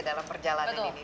dalam perjalanan ini